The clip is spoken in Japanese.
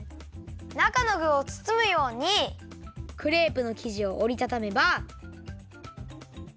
なかのぐをつつむようにクレープのきじをおりたためば。